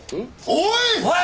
おい！